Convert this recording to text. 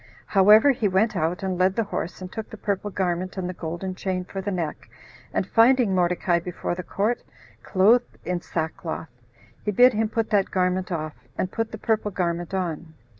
However, he went out and led the horse, and took the purple garment, and the golden chain for the neck, and finding Mordecai before the court, clothed in sackcloth, he bid him put that garment off, and put the purple garment on.